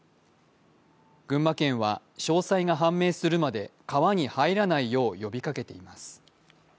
群馬県は詳細が判明するまで川に入らないよう呼びかけています。